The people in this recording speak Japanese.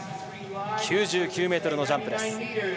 ９９ｍのジャンプです。